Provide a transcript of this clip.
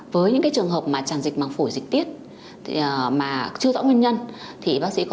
với những trường hợp mà tràn dịch măng phổi dịch tiết mà chưa rõ nguyên nhân